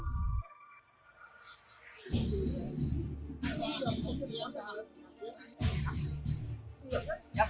chỉ trình khẳng